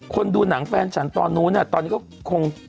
ดูหนังแฟนฉันตอนนู้นตอนนี้ก็คง